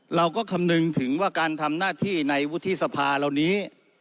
คำนึงถึงว่าการทำหน้าที่ในวุฒิสภาเหล่านี้